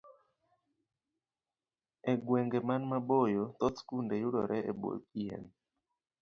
E gwenge man maboyo, thoth skunde yudore e bwo yien.